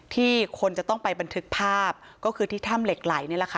ที่คนจะต้องไปบันทึกภาพก็คือที่ถ้ำเหล็กไหลนี่แหละค่ะ